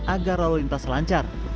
agar lalu lintas lancar